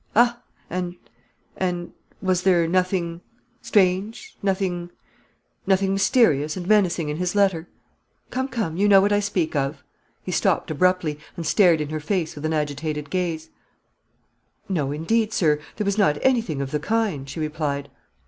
"Ha and and was there nothing strange nothing nothing mysterious and menacing in his letter? Come, come, you know what I speak of." He stopped abruptly, and stared in her face with an agitated gaze. "No, indeed, sir; there was not anything of the kind," she replied.